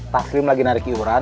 pak slim lagi narik iuran